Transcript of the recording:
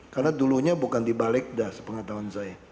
karena dulunya bukan di balegda sepengatauan saya